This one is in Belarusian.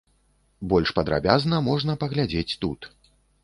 Больш падрабязна можна паглядзець тут.